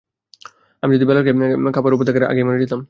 আমি যদি বেলালকে কাবার উপর দেখার আগেই মরে যেতাম।